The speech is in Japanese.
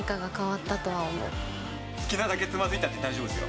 好きなだけつまずいたって大丈夫ですよ。